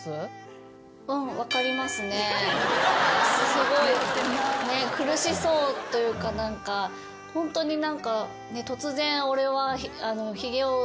すごい苦しそうというか何かホントに突然「俺は」